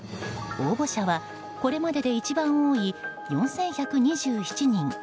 応募者はこれまでで一番多い４１２７人。